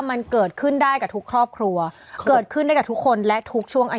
มันเกิดขึ้นได้กับทุกครอบครัวเกิดขึ้นได้กับทุกคนและทุกช่วงอายุ